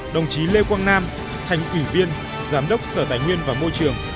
đồng chí lê quang nam thành ủy viên giám đốc sở tài nguyên và môi trường